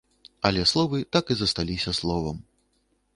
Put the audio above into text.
Але словы так і засталіся словам.